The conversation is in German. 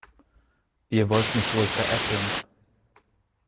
Ihr wollt mich wohl veräppeln.